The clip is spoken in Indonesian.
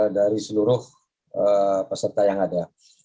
dari seluruh peserta yang ada